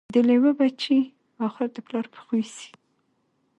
د لېوه بچی آخر د پلار په خوی سي